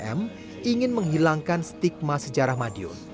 m ingin menghilangkan stigma sejarah madiun